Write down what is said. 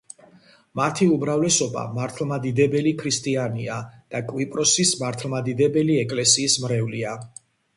მათი უმრავლესობა მართლმადიდებელი ქრისტიანია და კვიპროსის მართლმადიდებელი ეკლესიის მრევლია.